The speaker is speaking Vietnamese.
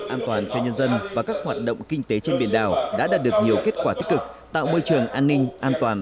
an toàn cho nhân dân và các hoạt động kinh tế trên biển đảo đã đạt được nhiều kết quả tích cực tạo môi trường an ninh an toàn